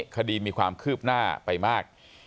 คดีมีความคืบหน้าไปมาก